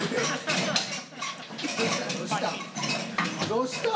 どうした？